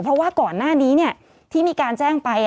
เพราะว่าก่อนหน้านี้ที่มีการแจ้งไป